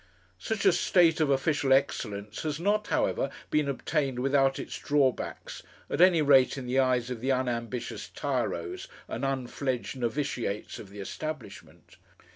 Such a state of official excellence has not, however, been obtained without its drawbacks, at any rate in the eyes of the unambitious tyros and unfledged novitiates of the establishment.